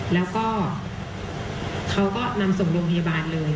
แล้วก็เขาก็นำส่งโรงพยาบาลเลย